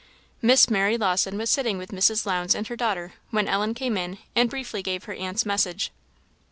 Miss Mary Lawson was sitting with Mrs. Lowndes and her daughter, when Ellen came in and briefly gave her aunt's message.